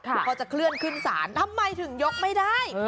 เขาจะเคลื่อนขึ้นศาลทำไมถึงยกไม่ได้